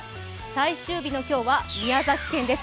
最終日の今日は宮崎県です。